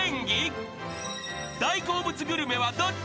［大好物グルメはどっち？